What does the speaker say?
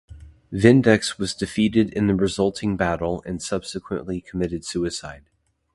Vindex was defeated in the resulting battle and subsequently committed suicide.